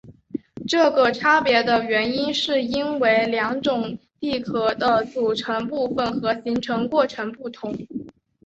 这个差别的原因是因为两种地壳的组成部分和形成过程不同。